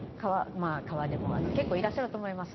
結構いらっしゃると思います。